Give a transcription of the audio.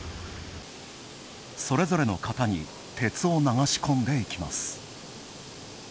それぞれの型に鉄を流し込んでいきます。